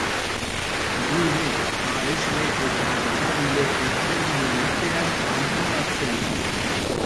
Gune, babesle eta eragile ezberdinen artean antolatzen da.